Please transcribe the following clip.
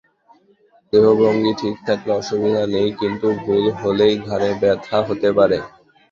দেহভঙ্গি ঠিক থাকলে অসুবিধা নেই, কিন্তু ভুল হলেই ঘাড়ে ব্যথা হতে পারে।